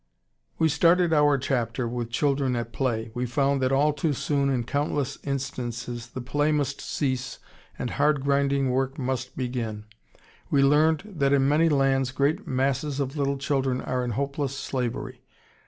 ] We started our chapter with children at play; we found that all too soon in countless instances the play must cease and hard grinding work must begin; we learned that in many lands great masses of little children are in hopeless slavery.